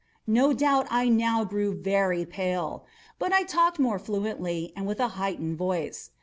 No doubt I now grew very pale;—but I talked more fluently, and with a heightened voice.